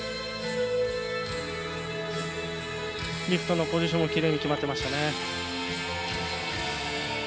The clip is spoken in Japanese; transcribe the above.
リフトのポジションもきれいに決まっていましたね。